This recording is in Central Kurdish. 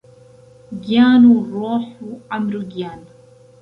گیان و ڕووح و عەمر و گیان